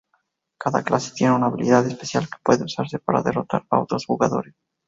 Cada clase tiene una habilidad especial que puede usarse para derrotar a otros jugadores.